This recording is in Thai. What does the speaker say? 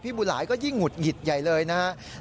บุหลายก็ยิ่งหุดหงิดใหญ่เลยนะครับ